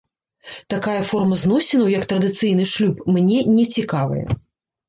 Такая форма зносінаў, як традыцыйны шлюб, мне не цікавая.